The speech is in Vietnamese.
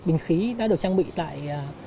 bình khí đã được trang bị tại